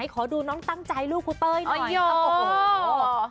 ขอดูน้องตั้งใจลูกครูเต้ยหน่อยโอ้โห